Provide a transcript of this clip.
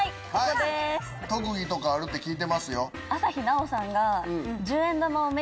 特技とかあるって聞いてますよ。